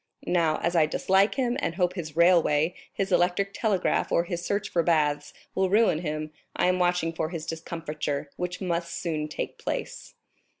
Now, as I dislike him, and hope his railway, his electric telegraph, or his search for baths, will ruin him, I am watching for his discomfiture, which must soon take place."